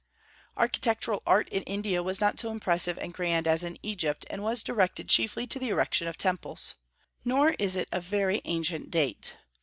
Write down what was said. Architectural art in India was not so impressive and grand as in Egypt, and was directed chiefly to the erection of temples. Nor is it of very ancient date.